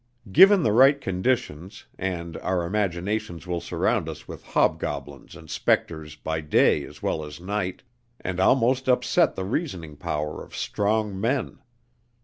Given the right conditions, and our imaginations will surround us with hobgoblins and spectres by day as well as night, and almost upset the reasoning power of strong men.